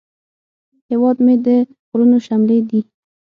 هیواد مې د غرونو شملې دي